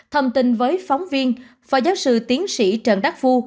thông tin với phóng viên phó giáo sư tiến sĩ trần đắc phu